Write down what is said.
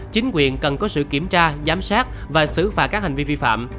chính quyền cần có sự kiểm tra giám sát và xử phạt các hành vi vi phạm